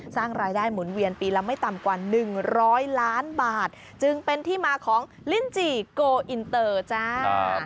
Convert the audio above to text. สร้างรายได้หมุนเวียนปีละไม่ต่ำกว่า๑๐๐ล้านบาทจึงเป็นที่มาของลิ้นจี่โกอินเตอร์จ้า